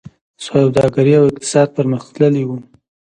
سوداګري او اقتصاد پرمختللی و